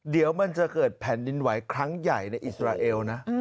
เดี๋ยวมันจะเกิดแผ่นดินไหวครั้งใหญ่ในอิสราเอลนะ